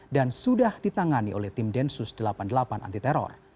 dan sudah ditangani oleh tim densus delapan puluh delapan anti teror